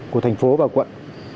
của thành phố và quận